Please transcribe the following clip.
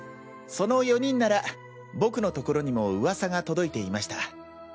その４人なら僕の所にも噂が届いていました。